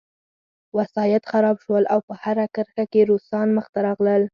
وسایط خراب شول او په هره کرښه کې روسان مخته راتلل